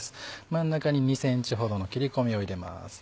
真ん中に２ｃｍほどの切り込みを入れます。